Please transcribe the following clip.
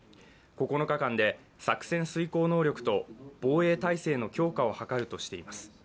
９日間で作戦遂行能力と防衛体制の強化を図るとしています。